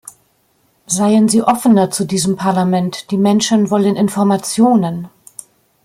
Seien Sie offener zu diesem Parlament, die Menschen wollen Informationen!